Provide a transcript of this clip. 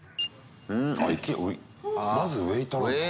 まずウエイトなんだ。